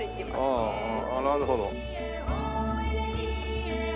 ああなるほど。